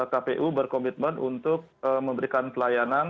kpu berkomitmen untuk memberikan pelayanan